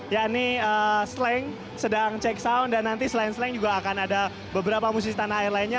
yakni slang sedang cek sound dan nanti selain slang juga akan ada beberapa musisi tanah air lainnya